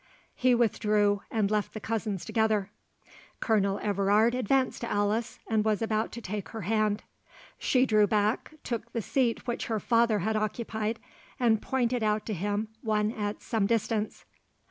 He withdrew, and left the cousins together. Colonel Everard advanced to Alice, and was about to take her hand. She drew back, took the seat which her father had occupied, and pointed out to him one at some distance.